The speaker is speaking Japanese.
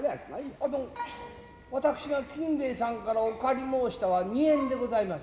私が金兵衛さんからお借り申したは二円でございます。